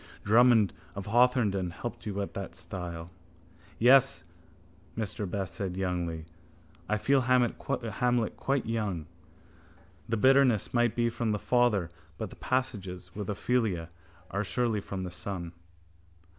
Drummond of Hawthornden helped you at that stile. —Yes, Mr Best said youngly. I feel Hamlet quite young. The bitterness might be from the father but the passages with Ophelia are surely from the son.